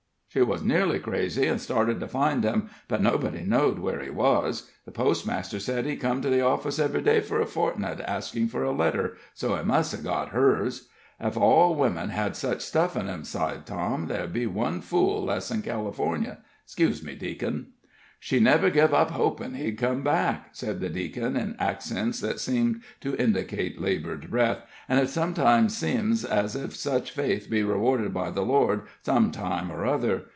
"She was nearly crazy, an' started to find him, but nobody knowed where he was. The postmaster said he'd come to the office ev'ry day for a fortnight, askin' for a letter, so he must hev got hers." "Ef all women had such stuff in 'em," sighed Tom, "there'll be one fool less in California. 'Xcuse me, deac'n." "She never gev up hopin' he'd come back," said the deacon, in accents that seemed to indicate labored breath "an' it sometimes seems ez ef such faith 'd be rewarded by the Lord some time or other.